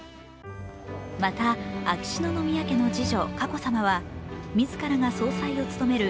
また、秋篠宮家の次女・佳子さまは自らが総裁を務める